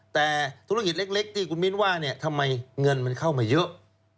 แต่ธุรกิจเล็กที่คุณมิ้นว่าเนี่ยทำไมเงินมันเข้ามาเยอะ